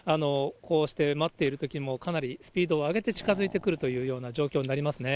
こうして待っているときにも、かなりスピードを上げて近づいてくるというような状況になりますね。